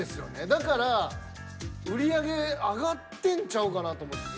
だから売り上げ上がってんちゃうかなと思って。